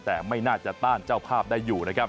แต่ไม่น่าจะต้านเจ้าภาพได้อยู่นะครับ